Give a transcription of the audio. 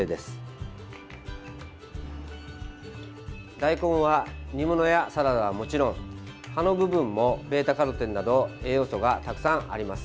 大根は煮物やサラダはもちろん葉の部分もβ‐カロテンなどの栄養素がたくさんあります。